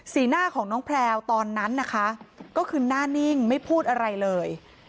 หน้าของน้องแพลวตอนนั้นนะคะก็คือหน้านิ่งไม่พูดอะไรเลย